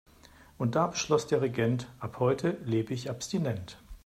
Und da beschloss der Regent: Ab heute lebe ich abstinent.